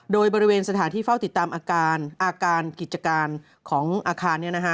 โดยบริเวณสถานที่เฝ้าติดตามอาการอาการกิจการของอาคาร